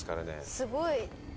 すごい。